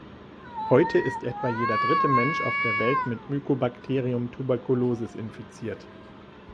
Heute ist etwa jeder dritte Mensch auf der Welt mit Mycobacterium tuberculosis infiziert.